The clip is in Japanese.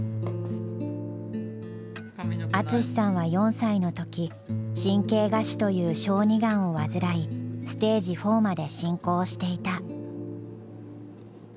淳さんは４歳の時神経芽腫という小児がんを患いステージ４まで進行していた。